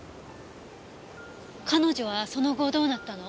彼女はその後どうなったの？